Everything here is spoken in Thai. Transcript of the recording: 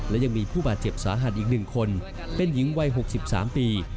และยังมีผู้บาดเจ็บสาหัสอีก๑คนเป็นหญิงวัย๖๓ปี